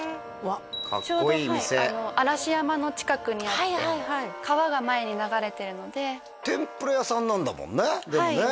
かっこいい店ちょうど嵐山の近くにあって川が前に流れてるので天ぷら屋さんなんだもんねでもね